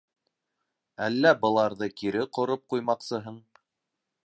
Әллә быларҙы кире ҡороп ҡуймаҡсыһың?